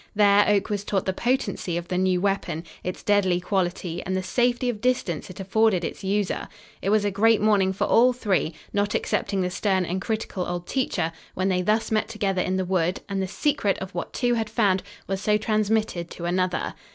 There Oak was taught the potency of the new weapon, its deadly quality and the safety of distance it afforded its user. It was a great morning for all three, not excepting the stern and critical old teacher, when they thus met together in the wood and the secret of what two had found was so transmitted to another.